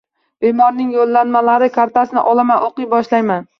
Bemorning yo`llanmali kartasini olaman, o`qiy boshlayman